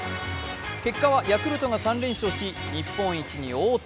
結果はヤクルトが３連勝し、日本一に王手。